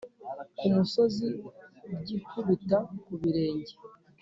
ku musozi ryikubita ku birenge